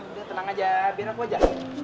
udah tenang aja biar aku aja